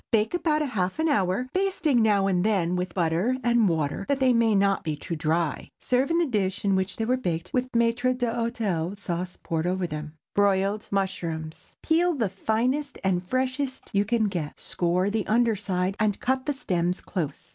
Bake about half an hour, basting now and then with butter and water, that they may not be too dry. Serve in the dish in which they were baked, with maître d'hôtel sauce poured over them. BROILED MUSHROOMS. Peel the finest and freshest you can get, score the under side, and cut the stems close.